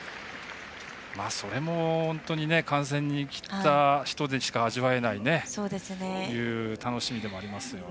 それも観戦に来た人にしか味わえない楽しみでもありますね。